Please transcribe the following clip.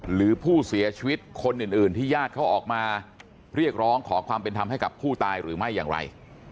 หรือผู้เสียชีวิตคนอื่นที่ญาติเขาออกมาเรียกร้องขอความเป็นธรรมให้กับผู้ตายหรือไม่อย่างไร